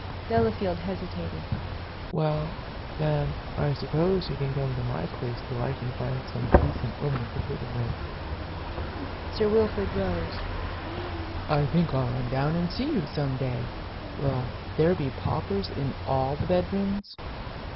Delafield hesitated. "Well, then, I suppose, he can come to my place till I can find some decent woman to put him with." Sir Wilfrid rose. "I think I'll run down and see you some day. Will there be paupers in all the bedrooms?"